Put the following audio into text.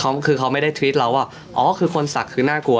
เขาคือเขาไม่ได้ทรีดเราว่าอ๋อคือคนศักดิ์คือน่ากลัว